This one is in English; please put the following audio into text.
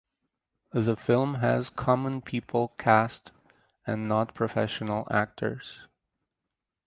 The film has common people cast and not professional actors.